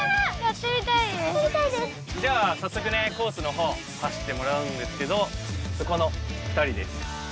じゃあさっそくねコースの方走ってもらうんですけどこの２人です。